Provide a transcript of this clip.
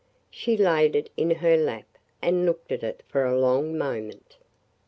She laid it in her lap and looked at it for a long moment.